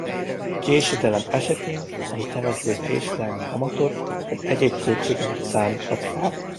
Késedelem esetén a hitelező késedelmi kamatot vagy egyéb költségeket számíthat fel.